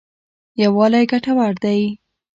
یوالی ګټور دی.